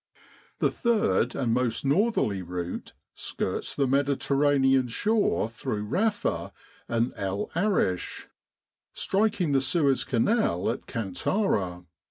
The third and most northerly route skirts the Mediterranean shore through Rafa and El Arish, striking the Suez Canal at Kantara.